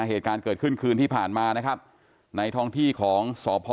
เหตุการณ์เกิดขึ้นคืนที่ผ่านมานะครับในท้องที่ของสพ